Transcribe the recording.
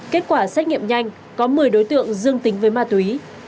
kết quả xét nghiệm nhanh có một mươi đối tượng dương tính với ma túy